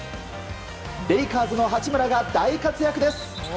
レイカーズの八村が大活躍です。